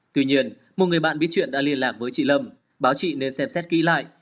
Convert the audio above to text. tuy nhiên một người bạn biết chuyện đã liên lạc với chị lâm báo chị nên xem xét kỹ lại